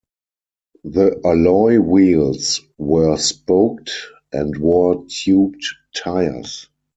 The alloy wheels were spoked and wore tubed tyres.